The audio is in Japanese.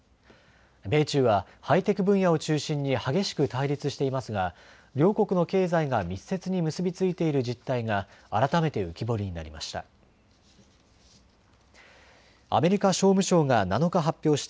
米中はハイテク分野を中心に激しく対立していますが両国の経済が密接に結び付いている実態が改めて浮き彫りになりました。